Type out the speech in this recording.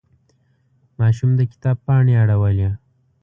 ماشوم د کتاب پاڼې اړولې.